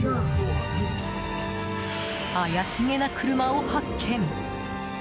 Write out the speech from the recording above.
怪しげな車を発見！